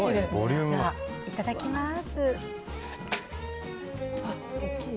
いただきます。